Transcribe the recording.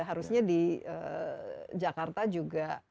harusnya di jakarta juga